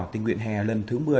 tình nguyện hè lần thứ một mươi